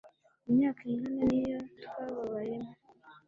imyaka ingana n'iyo twababayemo